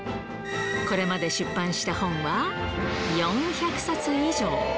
これまで出版した本は４００冊以上。